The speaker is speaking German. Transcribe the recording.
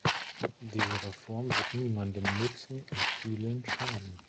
Diese Reform wird niemandem nützen und vielen schaden.